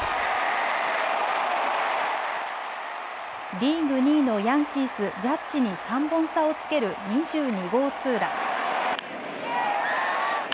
リーグ２位のヤンキース、ジャッジに３本差をつける２２号ツーラン。